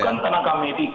bukan tenaga medis